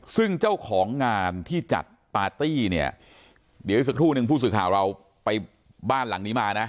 ซึ่งเจ้าของงานที่จัดปาร์ตี้เนี่ยเดี๋ยวอีกสักครู่นึงผู้สื่อข่าวเราไปบ้านหลังนี้มานะ